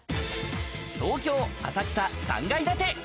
東京・浅草、３階建て。